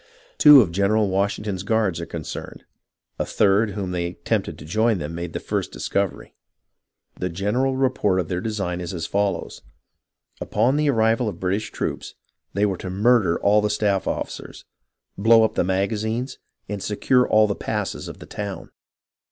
Two of General Washington's guards are concerned ; a third whom they tempted to join them made the first discovery. The general report of their design is as follows : upon the arrival of the British troops, they were to murder all the staff officers, blow up the magazines, and secure all the passes of the town.